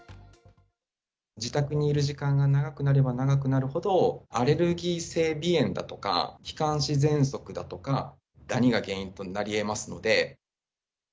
自宅にいる時間が長くなれば長くなるほど、アレルギー性鼻炎だとか、気管支ぜんそくだとか、ダニが原因となりえますので。